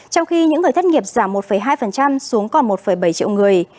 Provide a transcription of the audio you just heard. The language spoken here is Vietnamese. trong khi những người thất nghiệp giảm một hai xuống còn một bảy triệu người